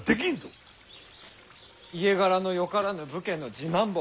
家柄のよからぬ武家の次男坊